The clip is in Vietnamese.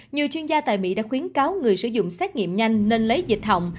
nhiều chuyên gia tại mỹ đã khuyến cáo người sử dụng xét nghiệm nhanh nên lấy dịch hỏng